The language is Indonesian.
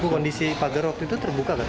kondisi paderot itu terbuka gak